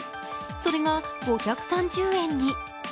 それが５３０円に。